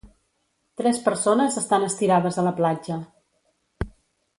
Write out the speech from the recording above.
Tres persones estan estirades a la platja.